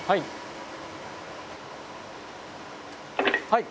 はい。